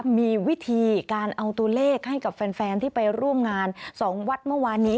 มีวิธีการเอาตัวเลขให้กับแฟนที่ไปร่วมงาน๒วัดเมื่อวานนี้